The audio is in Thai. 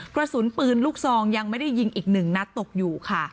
กระสุนปืนลูกซองยังไม่ได้ยิงอีกหนึ่งนัดตกอยู่ค่ะ